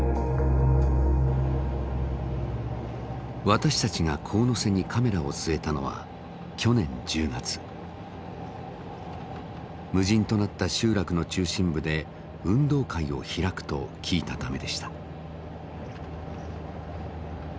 私たちが神瀬にカメラを据えたのは無人となった集落の中心部で運動会を開くと聞いたためでした。